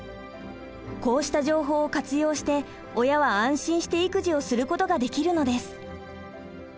こうした情報を活用して親は安心して育児をすることができるのです。